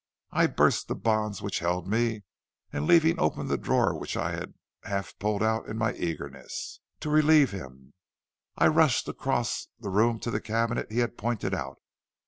}{ I burst the bonds which held me, and leaving open }{ the drawer which I had half pulled out in my eagerness }{ to relieve him, I rushed across the room to the }{ cabinet he had pointed out.